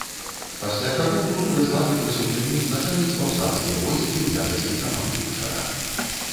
Пасля чаго быў прызваны прысутнымі ўзначаліць паўстанцкія войскі ў якасці камандуючага.